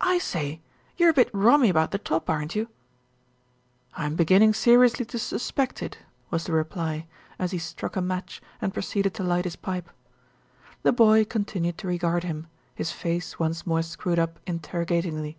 "I say, you're a bit rummy about the top, aren't you?" "I'm beginning seriously to suspect it," was the reply as he struck a match and proceeded to light his pipe. The boy continued to regard him, his face once more screwed up interrogatingly.